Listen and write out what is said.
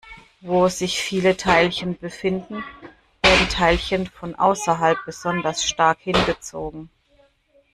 Wo sich viele Teilchen befinden, werden Teilchen von außerhalb besonders stark hingezogen.